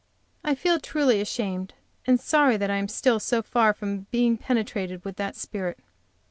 I feel truly ashamed and sorry that I am still so far from being penetrated with that spirit.